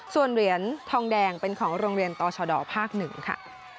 ส่วนเหรียญทองแดงเป็นของโรงเรียนต่อชดภาค๑ค่ะ